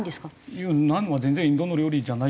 いやナンは全然インドの料理じゃない。